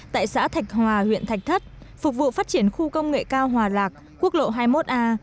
tại xã thạch hòa huyện thạch thất phục vụ phát triển khu công nghệ cao hòa lạc quốc lộ hai mươi một a